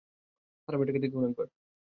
হারামিটাকে দেখুন একবার।